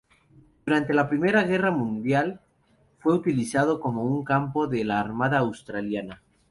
Durante la Primera Guerra Mundial, fue utilizado como un campo de la armada australiana.